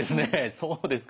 そうですか。